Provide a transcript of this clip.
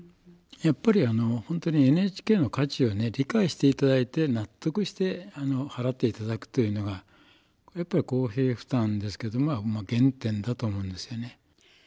やっぱりあの本当にＮＨＫの価値をね理解していただいて納得して払っていただくというのがやっぱり公平負担ですけど原点だと思うんですよね。